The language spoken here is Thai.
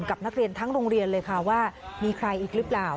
กับนักเรียนทั้งโรงเรียนเลยค่ะว่ามีใครอีกหรือเปล่า